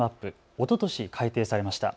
おととし改定されました。